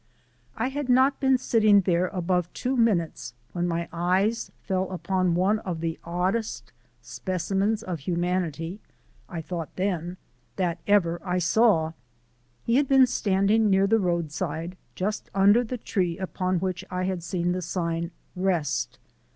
I had not been sitting there above two minutes when my eyes fell upon one of the oddest specimens of humanity (I thought then) that ever I saw. He had been standing near the roadside, just under the tree upon which I had seen the sign, "Rest."